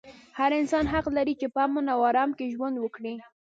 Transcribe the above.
هر انسان حق لري چې په امن او ارام کې ژوند وکړي.